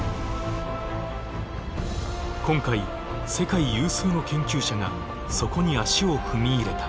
今回世界有数の研究者がそこに足を踏み入れた。